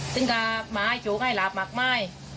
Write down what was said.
ซึ่งก็ไม้โชคให้หลับมากมาย